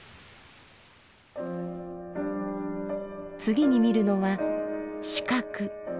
次に見るのは「思覚」。